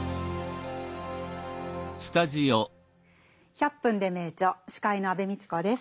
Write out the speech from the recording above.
「１００分ｄｅ名著」司会の安部みちこです。